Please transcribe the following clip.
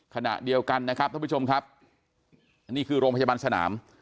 ขณะเดียวกันนะครับท่านผู้ชมครับอันนี้คือโรงพยาบาลสนาม